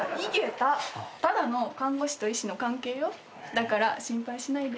だから心配しないで。